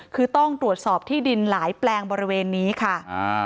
คือต้องตรวจสอบที่ดินหลายแปลงบริเวณนี้ค่ะอ่า